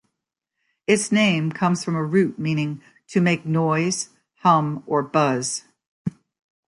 Its name comes from a root meaning "to make noise, hum or buzz".